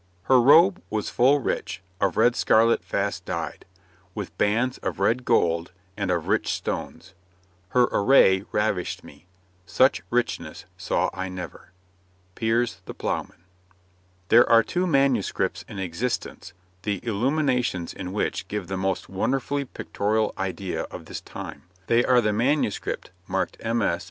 Her robe was full rich, of red scarlet fast dyed, With bands of red gold and of rich stones; Her array ravished me, such richness saw I never.' Piers the Plowman. There are two manuscripts in existence the illuminations in which give the most wonderfully pictorial idea of this time; they are the manuscript marked MS.